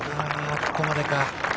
ここまでか。